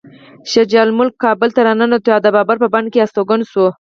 شجاع الملک کابل ته راننوت او د بابر په بڼ کې استوګن شو.